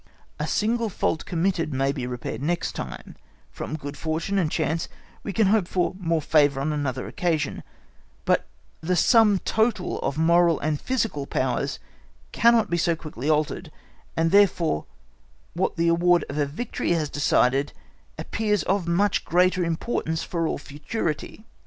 A single fault committed may be repaired next time; from good fortune and chance we can hope for more favour on another occasion; but the sum total of moral and physical powers cannot be so quickly altered, and, therefore, what the award of a victory has decided appears of much greater importance for all futurity.